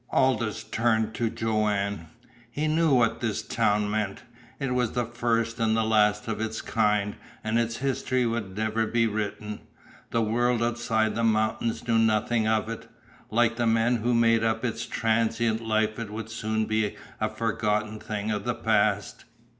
Aldous turned to Joanne. He knew what this town meant. It was the first and the last of its kind, and its history would never be written. The world outside the mountains knew nothing of it. Like the men who made up its transient life it would soon be a forgotten thing of the past.